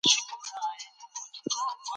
هغه د زمانشاه پر وړاندې د غچ غوښتونکی و.